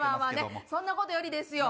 そんなことよりですよ